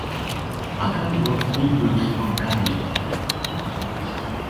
Agar wrote three books on gardening.